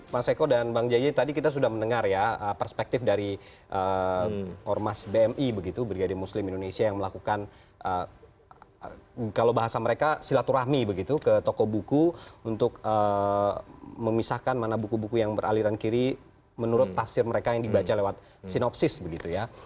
mas eko dan bang jaya tadi kita sudah mendengar ya perspektif dari ormas bmi begitu brigade muslim indonesia yang melakukan kalau bahasa mereka silaturahmi begitu ke toko buku untuk memisahkan mana buku buku yang beraliran kiri menurut tafsir mereka yang dibaca lewat sinopsis begitu ya